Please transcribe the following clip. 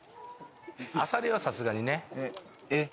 アサリはさすがにねえっ？